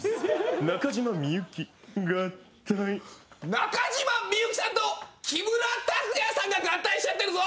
中島みゆきさんと木村拓哉さんが合体しちゃってるぞ！